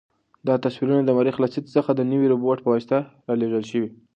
دا تصویرونه د مریخ له سطحې څخه د نوي روبوټ په واسطه رالېږل شوي.